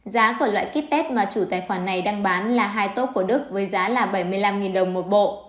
giá của loại kit test mà chủ tài khoản này đang bán là hai tốp của đức với giá là bảy mươi năm đồng một bộ